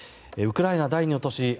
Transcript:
ウクライナ第２の都市